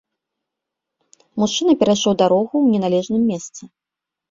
Мужчына перайшоў дарогу ў неналежным месцы.